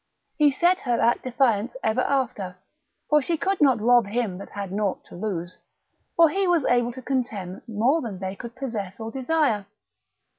He set her at defiance ever after, for she could not rob him that had nought to lose: for he was able to contemn more than they could possess or desire.